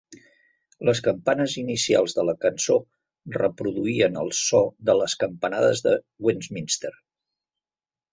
Les campanes inicials de la cançó reproduïen el so de les campanades de Westminster.